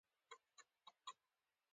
خبرې له افاقي زاويو څخه نه شي درک کولی.